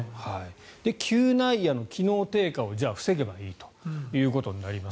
嗅内野の機能低下を防げばいいということになります。